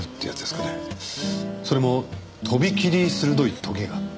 それもとびきり鋭い棘が。